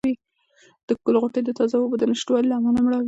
د ګل غوټۍ د تازه اوبو د نشتوالي له امله مړاوې وې.